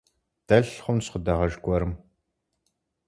Дэлъ хъунщ къыдэгъэж гуэрым.